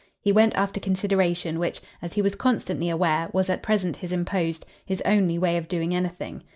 He went after consideration, which, as he was constantly aware, was at present his imposed, his only, way of doing anything.